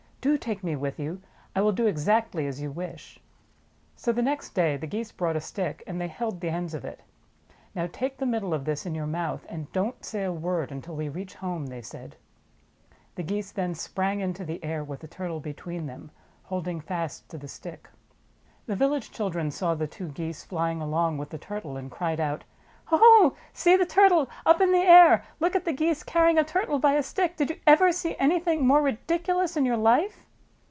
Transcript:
"Do take me with you. I will do exactly as you wish." 18 THE TALKING TURTLE So the next day the Geese brought a stick and they held the ends of it. "Now take the middle of this in "How could I go with you ?" said the Turtle. your mouth, and don't say a word until we reach home," they said. The Geese sprang into the air. The Geese then sprang into the air, with the Turtle between them, holding fast to the stick. The village children saw the two Geese flying along 19 JATAKA TALES with the Turtle and cried out: "Oh, see the Turtle up in the air ! Look at the Geese carrying a Turtle by a stick! Did you ever see anything more ridicu lous in your life!"